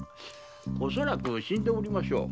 恐らく死んでおりましょう。